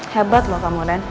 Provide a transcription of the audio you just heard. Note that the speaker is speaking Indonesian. hebat lo kamu ren